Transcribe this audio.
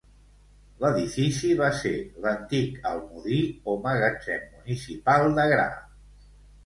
L'edifici va ser l'antic almodí o magatzem municipal de gra.